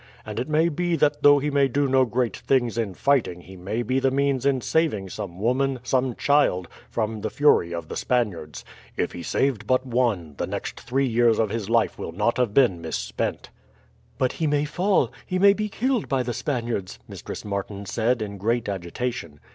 And it may be that though he may do no great things in fighting he may be the means in saving some woman, some child, from the fury of the Spaniards. If he saved but one, the next three years of his life will not have been misspent." "But he may fall he may be killed by the Spaniards!" Mistress Martin said in great agitation.